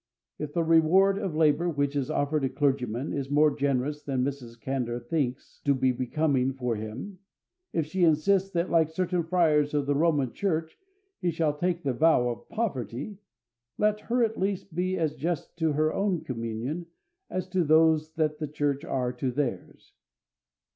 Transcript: If the reward of labor which is offered a clergyman is more generous than Mrs. Candour thinks to be becoming for him if she insists that, like certain friars of the Roman Church, he shall take the vow of poverty, let her, at least, be as just to her own communion as those of that Church are to theirs.